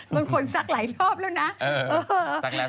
บางคนซักหลายรอบแล้วนะ